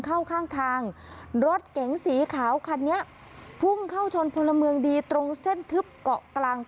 เข้าข้างทางรถเก๋งสีขาวคันนี้พุ่งเข้าชนพลเมืองดีตรงเส้นทึบเกาะกลาง